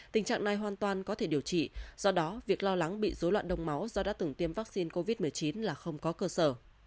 tình trạng này hoàn toàn có thể điều trị do đó việc lo lắng bị dối loạn đông máu do đã từng tiêm vaccine covid một mươi chín là không có cơ sở